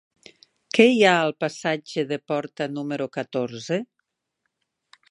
Què hi ha al passatge de Porta número catorze?